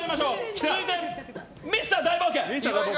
続いてミスター大冒険。